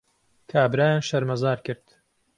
کابرایان شەرمەزار کرد